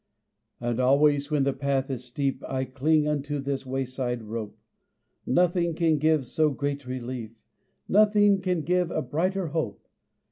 And always when the path is steep, I cling unto this wayside rope: Nothing can give so great relief, Nothing can give a brighter hope.